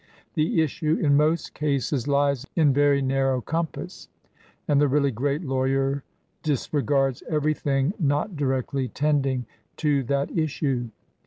The issue in most cases lies in very narrow com pass, and the really great lawyer disregards every thing not directly tending to that issue.